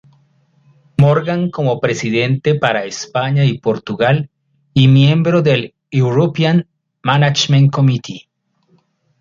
Morgan como Presidente para España y Portugal y miembro del European Management Committee.